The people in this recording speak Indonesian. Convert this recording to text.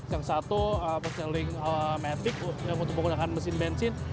yang satu personal link metrik untuk menggunakan mesin bensin